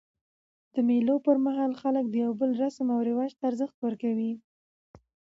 د مېلو پر مهال خلک د یو بل رسم و رواج ته ارزښت ورکوي.